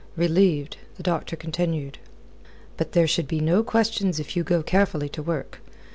Relieved, the doctor continued: "But there should be no questions if you go carefully to work.